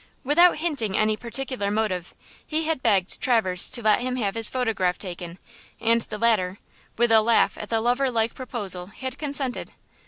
Without hinting any particular motive, he had begged Traverse to let him have his photograph taken, and the latter, with a laugh at the lover like proposal, had consented.